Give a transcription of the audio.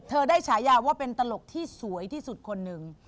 ได้ฉายาว่าเป็นตลกที่สวยที่สุดคนหนึ่ง